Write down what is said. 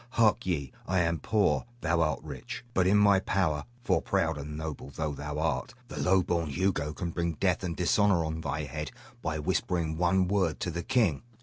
Hark ye! I am poor; thou art rich, but in my power, for proud and noble though thou art, the low born Hugo can bring death and dishonor on thy head by whispering one word to the king.